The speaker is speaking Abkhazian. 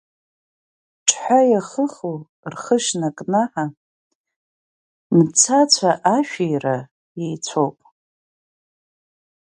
Ҽҳәа иахыху, рхышьна кнаҳа, мцацәа ашәира иеицәоуп.